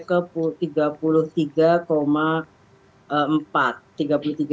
sampai ke rp tiga puluh tiga empat juta